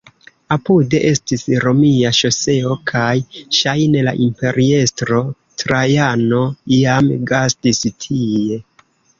Apude estis romia ŝoseo kaj ŝajne la imperiestro Trajano iam gastis tie.